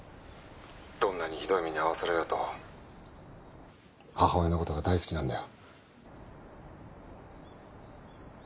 どんなにひどい目に遭わされようと母親のことが大好きなんだよ。